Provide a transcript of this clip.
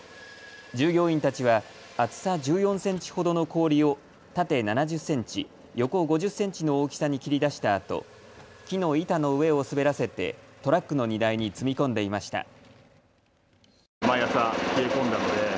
従業員たちは厚さ１４センチほどの氷を縦７０センチ、横５０センチの大きさに切り出したあと木の板の上を滑らせてトラックの荷台に積み込んでいました。